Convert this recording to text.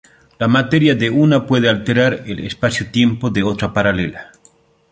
La materia de una puede alterar el espaciotiempo de otra paralela.